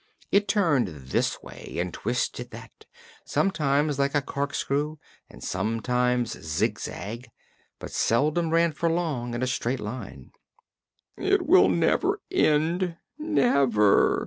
It turned this way and twisted that, sometimes like a corkscrew and sometimes zigzag, but seldom ran for long in a straight line. "It will never end never!"